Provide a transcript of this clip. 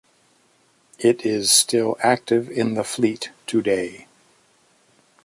It is still active in the fleet today.